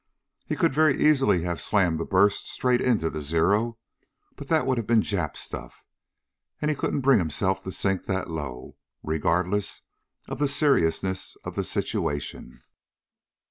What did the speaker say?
He could very easily have slammed that burst straight into the Zero, but that would have been Jap stuff, and he couldn't bring himself to sink that low, regardless of the seriousness of the situation.